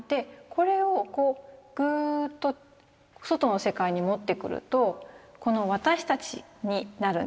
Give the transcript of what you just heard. これをこうぐっと外の世界に持ってくるとこの私たちになるんですね。